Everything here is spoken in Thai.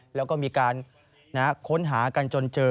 แล้วก็มีการค้นหากันจนเจอ